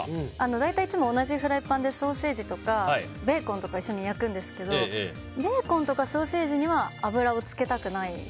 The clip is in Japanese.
大体、いつも同じフライパンでソーセージとかベーコンとか一緒に焼くんですけどベーコンとかソーセージとかには油をつけたくない。